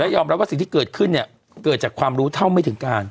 ยอมรับว่าสิ่งที่เกิดขึ้นเนี่ยเกิดจากความรู้เท่าไม่ถึงการ